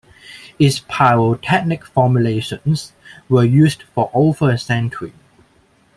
Its pyrotechnic formulations were used for over a century.